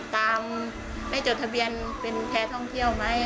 ตามให้จดทะเบียนเป็นแพร่ท่องเที่ยวไหม